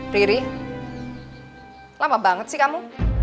riri lama banget sih kamu